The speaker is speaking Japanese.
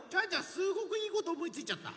すごくいいことおもいついちゃった。